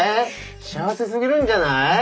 幸せすぎるんじゃない？